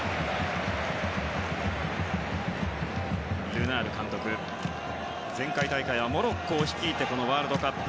ルナール監督、前回大会はモロッコを率いてワールドカップ。